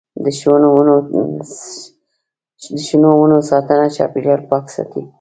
د شنو ونو ساتنه چاپیریال پاک ساتي.